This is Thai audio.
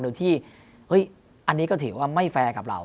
โดยที่อันนี้ก็ถือว่าไม่แฟร์กับเรา